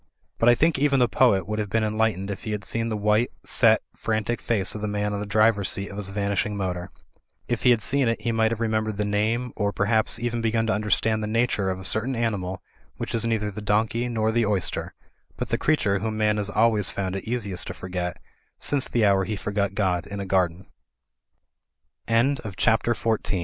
But I think even the poet would have been enlight ened if he had seen the white, set, frantic face of the man on the driver's seat of his vanishing motor. If he had seen it he might have remembered the name, or, perhaps, even begun to understand the nature of a certain animal which is neither the donkey nor the oyster ; but the creature whom man has always found it easi